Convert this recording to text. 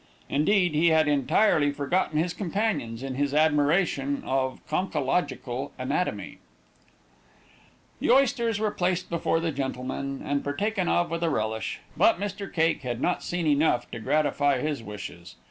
Indeed, he had entirely forgotten his companions in his admiration of conchological anatomy. The oysters were placed before the gentlemen, and partaken of with a relish. But Mr. Cake had not seen enough to gratify his wishes.